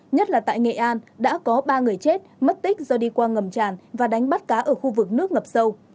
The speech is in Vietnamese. nhất là tại nghệ an đã có ba người chết mất tích do đi qua ngầm tràn và đánh bắt cá ở khu vực nước ngập sâu